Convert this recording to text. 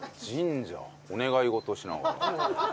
お願い事しながら？